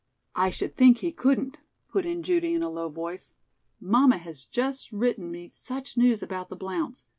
"I should think he couldn't," put in Judy, in a low voice. "Mamma has just written me such news about the Blounts.